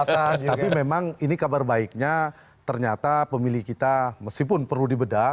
tapi memang ini kabar baiknya ternyata pemilih kita meskipun perlu dibedah